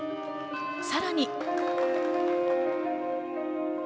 さらに。